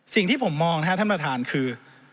สิ่งที่ผมมองธรรมฐานคือ